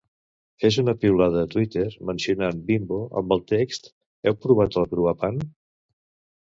Fes una piulada a Twitter mencionant Bimbo amb el text "heu provat el Cruapan"?